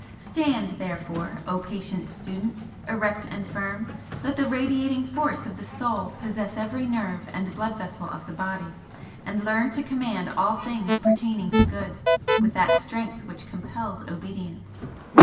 "Stand, therefore, O patient Student, erect and firm! let the radiating force of the Soul possess every nerve and blood vessel of the body, and learn to command all things pertaining to good with that strength which compels obedience!